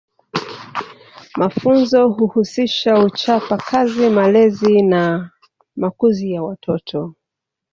Mafunzo huhusisha uchapa Kazi malezi na makuzi ya watoto